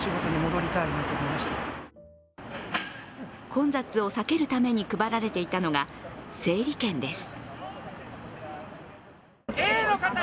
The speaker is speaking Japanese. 混雑を避けるために配られていたのが整理券です。